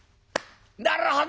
「なるほど！